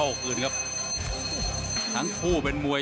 ว่าเตะกล้ากล่าวคลึนครับ